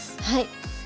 はい。